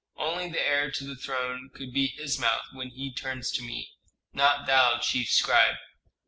Only the heir to the throne could be his mouth when he turns to me; not thou, chief scribe."